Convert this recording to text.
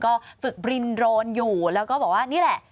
ก็ฝึกบินโรนอยู่แล้วก็บอกว่านี่แหละ